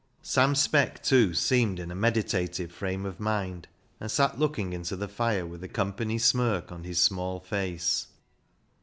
Sam Speck, too, seemed in a meditative frame of mind, and sat looking into the fire with a com pany smirk on his small face.